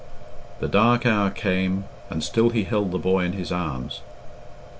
The dark hour came, and still he held the boy in his arms.